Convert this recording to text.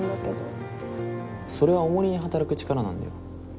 それはおもりに働く力なんだよ。